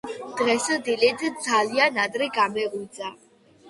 დღეს დილით ძალიან ადრე გამეღვიძა.